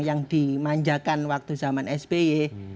yang dimanjakan waktu zaman sby